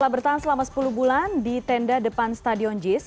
bertahan selama sepuluh bulan di tenda depan stadion jis